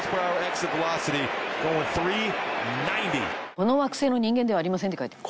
「この惑星の人間ではありません」って書いてある。